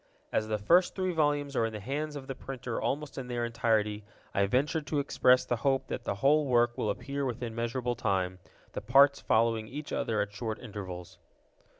As the first three volumes are in the hands of the printer almost in their entirety, I venture to express the hope that the whole work will appear within measurable time, the parts following each other at short intervals.